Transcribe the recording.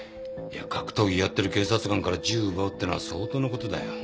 格闘技やってる警察官から銃を奪うってのは相当のことだよ